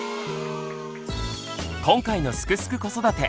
今回の「すくすく子育て」